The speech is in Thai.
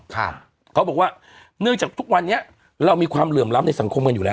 เขาบอกว่าเนื่องจากทุกวันนี้เรามีความเหลื่อมล้ำในสังคมกันอยู่แล้ว